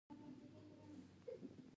خپلې پښې د خپل بړستن په اندازه غځوئ.